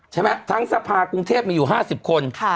ใช่ไหมทั้งสภาคกรุงเทพมาอยู่๕๐คน